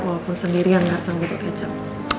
walaupun sendirian gak usah butuh kecap